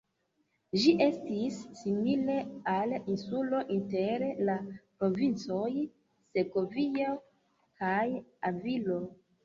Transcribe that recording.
Ĝi estas simile al insulo, inter la provincoj Segovio kaj Avilo.